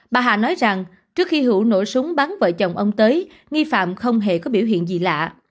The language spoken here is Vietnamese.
bà hà nói rằng trước khi hữu nổ súng bắn vợ chồng ông tới nghi phạm không hề có biểu hiện gì lạ